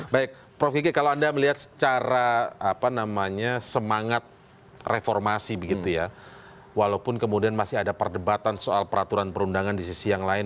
baik prof kiki kalau anda melihat secara apa namanya semangat reformasi begitu ya walaupun kemudian masih ada perdebatan soal peraturan perundangan di sisi yang lain